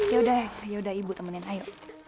yaudah ibu temenin ayo